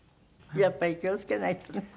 やっぱり気を付けないとね。